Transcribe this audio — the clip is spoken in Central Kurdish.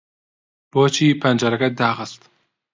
بۆچی پەنجەرەکەت داخست؟